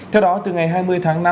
theo đó từ ngày hai mươi tháng năm